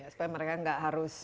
supaya mereka gak harus